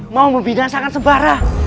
mau membinasakan sembara